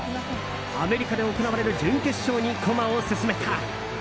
アメリカで行われる準決勝に駒を進めた。